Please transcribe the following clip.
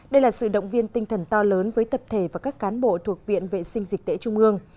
đây là sự động viên tinh thần to lớn với tập thể và các cán bộ thuộc viện vệ sinh dịch tễ trung ương